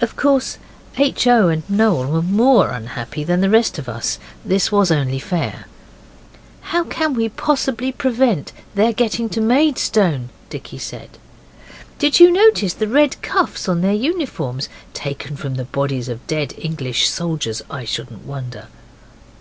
Of course H. O. and Noel were more unhappy than the rest of us. This was only fair. 'How can we possibly prevent their getting to Maidstone?' Dickie said. 'Did you notice the red cuffs on their uniforms? Taken from the bodies of dead English soldiers, I shouldn't wonder.